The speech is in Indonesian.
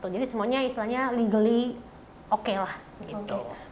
jadi semuanya istilahnya legally oke lah gitu